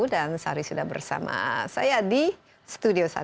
dan sari sudah bersama saya di studio